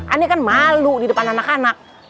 anda kan malu di depan anak anak